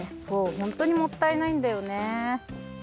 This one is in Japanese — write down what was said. そうほんとにもったいないんだよね。